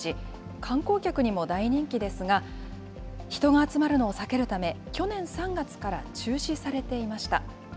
観光客にも大人気ですが、人が集まるのを避けるため、去年３月から中止されていました。